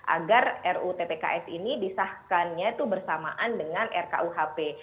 agar rut pks ini disahkannya bersamaan dengan rkuhp